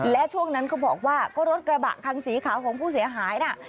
และช่วงนั้นก็บอกว่าก็รถกระบะคันสีขาวของผู้เสียหายน่ะ